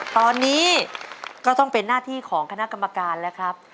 ตอนนี้ก็ต้องเป็นหน้าที่ของคณะกรรมการแล้วครับ